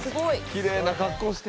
きれいな格好して。